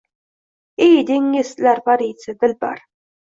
Ey dengizlar parisi, dilbar?